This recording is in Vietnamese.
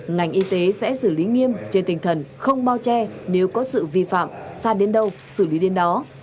ngành y tế sẽ xử lý nghiêm trên tinh thần không bao che nếu có sự vi phạm xa đến đâu xử lý đến đó